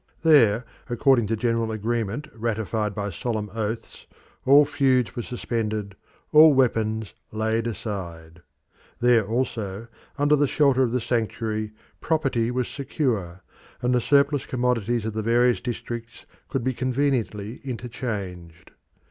There, according to general agreement ratified by solemn oaths, all feuds were suspended, all weapons laid aside. There also, under the shelter of the sanctuary, property was secure, and the surplus commodities of the various districts could be conveniently interchanged.